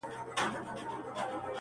په وينو لژنده اغيار وچاته څه وركوي.